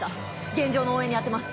現場の応援に当てます。